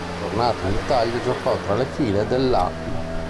Tornato in Italia, giocò tra le file dell'Acqui.